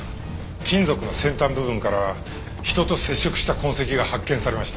金属の先端部分から人と接触した痕跡が発見されました。